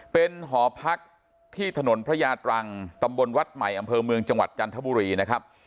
เป็นหอพักที่ถนนพระยาตรังตำบลวัดใหม่อำเภอเมืองจังหวัดจันทบุรีนะครับ